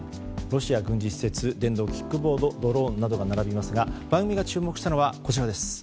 ロシア軍事施設電動キックボードドローンなどが並びますが番組が注目したのはこちらです。